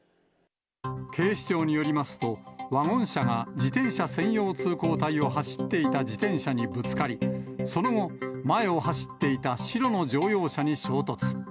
警視庁によりますと、ワゴン車が自転車専用通行帯を走っていた自転車にぶつかり、その後、前を走っていた白の乗用車に衝突。